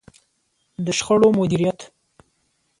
د شخړو مديريت.